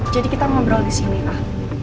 jadi kita ngobrol di sini pak